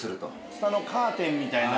ツタのカーテンみたいな。